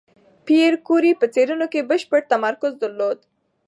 پېیر کوري په څېړنو کې بشپړ تمرکز درلود.